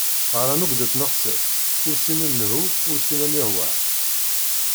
Ɣran akk deg tnexsas, ur ssinen lehhu ur ssinen ihwah.